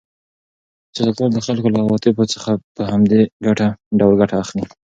سیاستوال د خلکو له عواطفو څخه په همدې ډول ګټه اخلي.